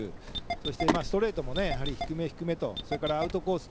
そして、ストレートもやはり低めとアウトコース